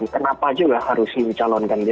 kenapa juga harus ngecalonkan